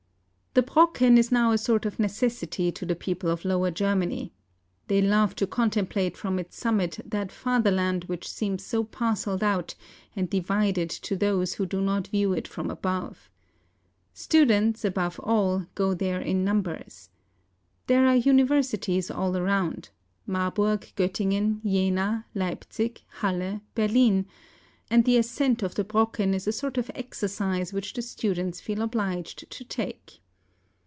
The Brocken is now a sort of necessity to the people of Lower Germany. They love to contem¬ plate from its summit that fatherland which seems so parcelled out and divided to those who do not view it from above. Students, above all, go there in numbers. There are universities all around,— Marburg, Gottingen, Jena, Leipzig, Halle, Berlin; and the ascent of the Brocken is a sort of exercise which the students feel obliged to take.